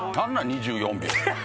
２４秒。